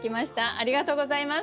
ありがとうございます。